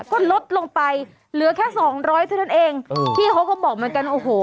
ก็ลดลงไปเหลือแค่สองร้อยเท่านั้นเองพี่เขาก็บอกเหมือนกันโอ้โห